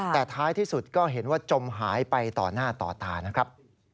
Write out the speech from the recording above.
แต่ท้ายที่สุดก็เห็นว่าจมหายไปต่อหน้าต่อตานะครับ